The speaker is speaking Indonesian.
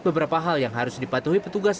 beberapa hal yang harus dipatuhi petugas